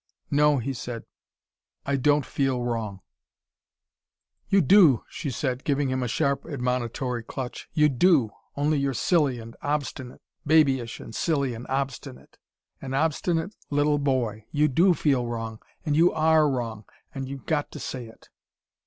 "No," he said. "I don't feel wrong." "You DO!" she said, giving him a sharp, admonitory clutch. "You DO. Only you're silly, and obstinate, babyish and silly and obstinate. An obstinate little boy you DO feel wrong. And you ARE wrong. And you've got to say it."